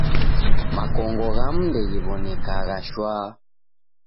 Makongo ghamu ndeghiw'onekagha shwaa.